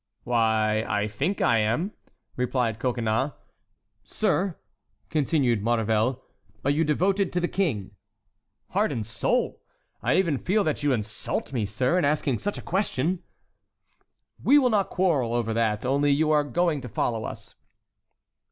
"Why, I think I am," replied Coconnas. "Sir," continued Maurevel, "are you devoted to the King?" "Heart and soul! I even feel that you insult me, sir, in asking such a question." "We will not quarrel over that; only you are going to follow us."